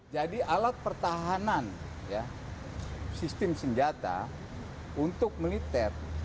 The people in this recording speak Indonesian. jadi alat pertahanan sistem senjata untuk militer